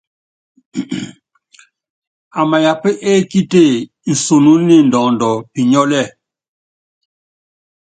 Amayapá ekíte nsunú ni ndɔɔndɔ pinyɔ́líɛ.